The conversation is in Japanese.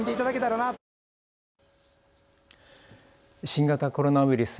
新型コロナウイルス。